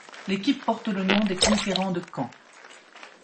L'équipe porte le nom des Conquérants de Caen.